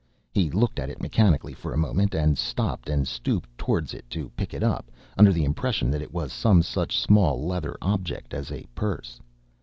He looked at it mechanically for a moment, and stopped and stooped towards it to pick it up, under the impression that it was some such small leather object as a purse.